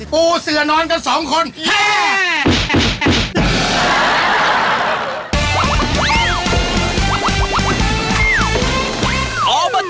ปูเสือนอนกันสองคน